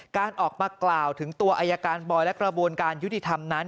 การออกมากล่าวถึงตัวอายการบอยและกระบวนการยุติธรรมนั้น